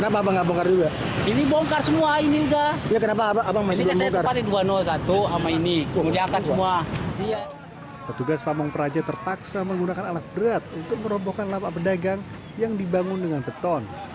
petugas pamung praja terpaksa menggunakan alat berat untuk merobohkan lapak pedagang yang dibangun dengan beton